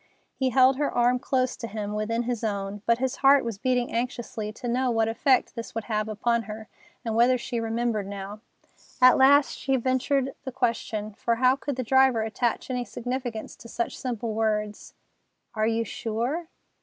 He held her arm close to him within his own, but his heart was beating anxiously to know what effect this would have upon her, and whether she remembered now. At last she ventured the question—for how could the driver attach any significance to such simple words: "Are you sure?"